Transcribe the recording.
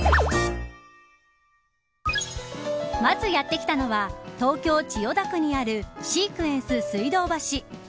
まずやって来たのは東京、千代田区にあるシークエンス水道橋。